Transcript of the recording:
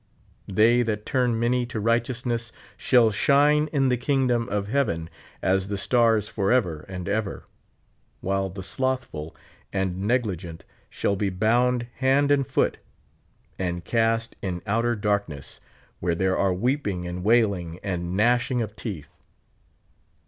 They that turn many to righteousness shall shine in the kingdom of heaven as the stars forever and ever ; while the slothful and negligent shall be bound hand and . foot, and cast in outer darkness, where there are weeping and wailing and gnashing of teeth.